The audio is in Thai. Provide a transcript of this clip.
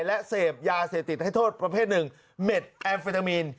และเสพยาเสพติดให้โทษประเภทหนึ่งเม็ดแอมเฟตามีน